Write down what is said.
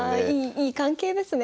いい関係ですね。